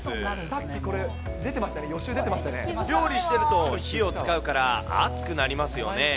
さっきこれ出てました、料理してると火を使うから暑くなりますよね。